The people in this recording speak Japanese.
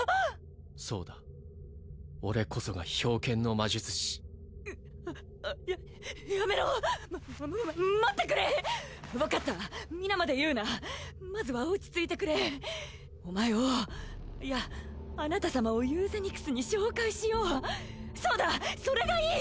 そうだ俺こそが冰剣の魔術師うっややめろままままま待ってくれ分かった皆まで言うなまずは落ち着いてくれお前をいやあなた様をユーゼニクスに紹介しようそうだそれがいい！